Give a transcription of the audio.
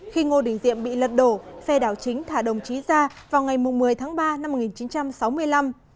khi ngô đình diệm bị lật đổ phe đảo chính thả đồng chí ra vào ngày một mươi tháng ba năm một nghìn chín trăm sáu mươi năm